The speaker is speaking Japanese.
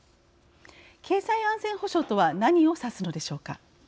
経済安全保障とは何を指すのでしょうか。